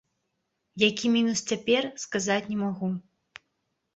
Які мінус цяпер, сказаць не магу.